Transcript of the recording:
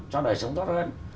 cho đời sống tốt hơn